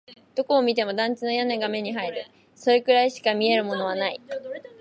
どこを見ても団地の屋根が目に入る。それくらいしか見えるものはない。